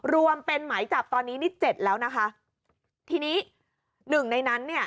รวมเป็นหมายจับตอนนี้นี่เจ็ดแล้วนะคะทีนี้หนึ่งในนั้นเนี่ย